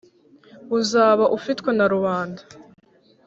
Uzaba ufitwe na rubanda